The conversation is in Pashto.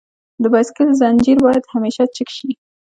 د بایسکل زنجیر باید همیشه چک شي.